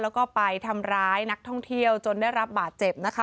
แล้วก็ไปทำร้ายนักท่องเที่ยวจนได้รับบาดเจ็บนะคะ